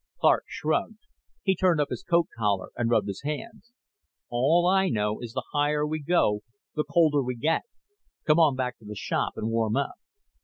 Clark shrugged. He turned up his coat collar and rubbed his hands. "All I know is the higher we go the colder we get. Come on back to the shop and warm up."